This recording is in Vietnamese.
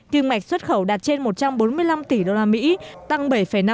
kim mạch xuất khẩu đạt trên một trăm bốn mươi năm tỷ đô la mỹ tăng bảy năm